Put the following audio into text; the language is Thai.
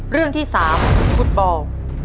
เรื่องที่๓ฟุตบอล